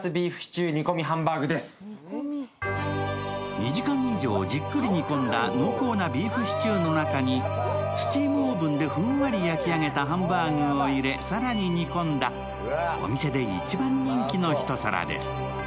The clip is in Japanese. ２時間以上じっくり煮込んだ濃厚なビーフシチューの中にスチームオーブンでふんわり焼き上げたハンバーグを入れ、更に煮込んだ、お店で一番人気の一皿です。